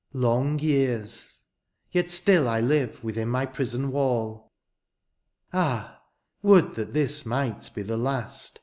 Long years, — ^yet still I live Within my prison wall ; Ah ! would that this might be the last.